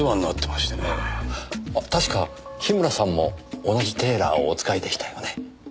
あ確か樋村さんも同じテーラーをお使いでしたよね？